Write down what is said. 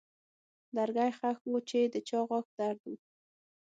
لرګی ښخ و چې د چا غاښ درد و.